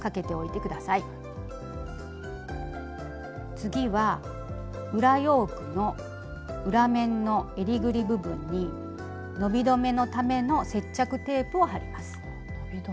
次は裏ヨークの裏面のえりぐり部分に伸び止めのための接着テープを貼ります。